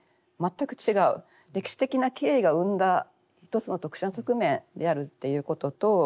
歴史的な経緯が生んだ一つの特殊な側面であるっていうことと。